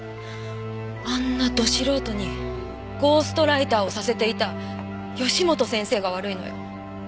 あんなド素人にゴーストライターをさせていた義本先生が悪いのよ。